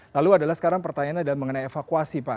lalu adalah sekarang pertanyaannya adalah mengenai evakuasi pak